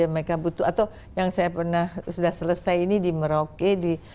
mereka butuh atau yang saya pernah sudah selesai ini di merauke